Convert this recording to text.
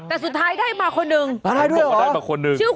แต่สุดท้ายได้มาคนนึงได้มาคนนึงเหรอ